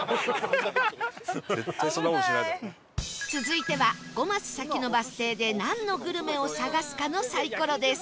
続いては５マス先のバス停でなんのグルメを探すかのサイコロです